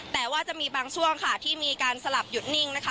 แต่ว่าจะมีบางช่วงค่ะที่มีการสลับหยุดนิ่งนะคะ